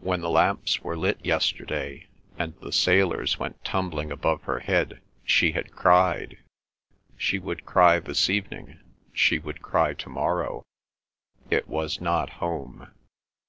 When the lamps were lit yesterday, and the sailors went tumbling above her head, she had cried; she would cry this evening; she would cry to morrow. It was not home.